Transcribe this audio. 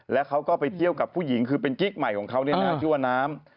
แล้วเขาก็ไปเที่ยวกับผู้หญิงคือเป็นกิ๊กใหม่ของเขาเนี่ยนะชื่อว่าน้ำ